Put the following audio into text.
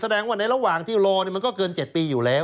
แสดงว่าในระหว่างที่รอมันก็เกิน๗ปีอยู่แล้ว